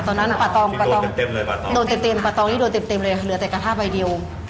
ตอนนั้นป่าตรองโดนเต็มเลยเหลือกะทะไฟเดียว